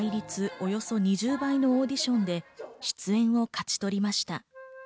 およそ２０倍のオーディションで出演を勝ち取りました。